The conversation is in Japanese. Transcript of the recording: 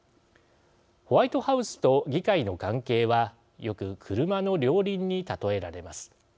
ホワイトハウスと議会の関係はよく車の両輪にたとえられます。